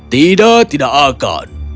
tidak tidak akan